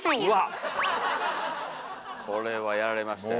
これはやられましたよ。